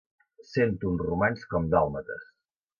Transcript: Cent un romans com dàlmates.